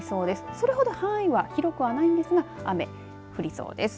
それほど範囲は広くないんですが雨、降りそうです。